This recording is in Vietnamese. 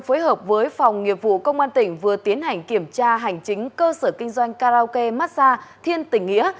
phối hợp với phòng nghiệp vụ công an tỉnh vừa tiến hành kiểm tra hành chính cơ sở kinh doanh karaoke massage thiên tỉnh nghĩa